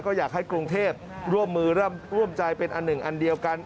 ก็อยากให้กรุงเทพร่วมมือร่วมใจเป็นอันหนึ่งอันเดียวกัน